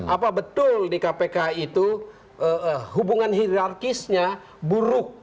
apa betul di kpk itu hubungan hirarkisnya buruk